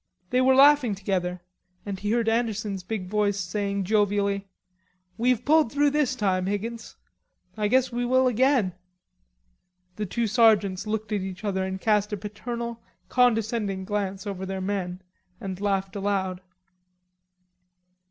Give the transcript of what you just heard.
They were laughing together, and he heard Anderson's big voice saying jovially, "We've pulled through this time, Higgins.... I guess we will again." The two sergeants looked at each other and cast a paternal, condescending glance over their men and laughed aloud.